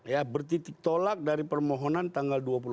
ya bertitik tolak dari permohonan tanggal dua puluh empat